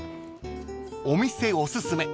［お店おすすめ